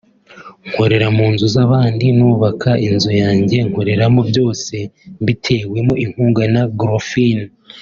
nkorera mu nzu z’abandi nubaka inzu yanjye nkoreramo byose mbitewemo inkunga na Grofin